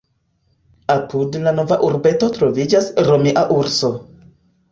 Apud la nova urbeto troviĝas romia "Urso".